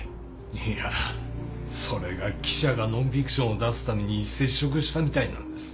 いやそれが記者がノンフィクションを出すために接触したみたいなんです